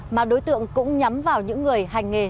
mà đối tượng cũng nhắm vào những người hành nghề